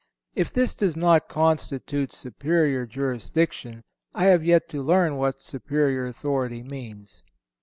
If this does not constitute superior jurisdiction, I have yet to learn what superior authority means.